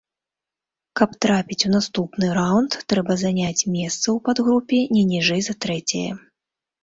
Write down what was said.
Каб трапіць у наступны раўнд, трэба заняць месца ў падгрупе не ніжэй за трэцяе.